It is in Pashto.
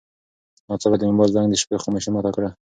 ناڅاپه د موبایل زنګ د شپې خاموشي ماته کړه.